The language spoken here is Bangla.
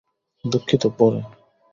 দুঃখিত, পরে।